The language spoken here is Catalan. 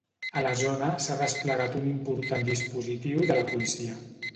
A la zona s’ha desplegat un important dispositiu de la policia.